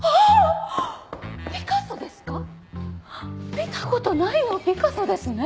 見たことないのピカソですね。